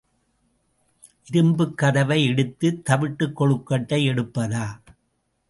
இரும்புக் கதவை இடித்துத் தவிட்டுக் கொழுக்கட்டை எடுப்பதா?